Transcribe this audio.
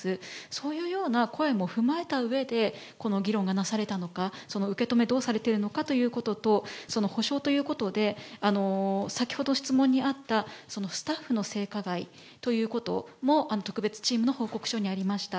そういうような声も踏まえたうえで、この議論がなされたのか、その受け止め、どうされてるのかということと、補償ということで、先ほど質問にあったスタッフの性加害ということも特別チームの報告書にありました。